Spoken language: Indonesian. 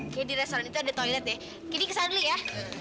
kayak di restoran itu ada toilet ya gini kesana dulu ya